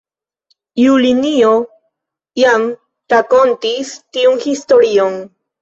Julinjo, jam rakontis tiun historion.